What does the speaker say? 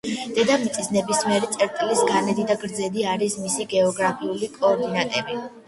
დედამიწის ნებისმიერი წერტილის განედი და გრძედი არის მისი გეოგრაფიული კოორდინატები.